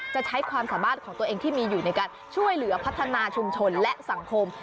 จะใช้ความสามารถของตัวเองที่มีอยู่ในการช่วยเหลือพัฒนาชุมชนและสังคม